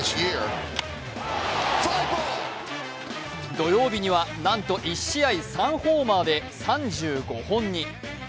土曜日には、なんと１試合３ホーマーで３５本に。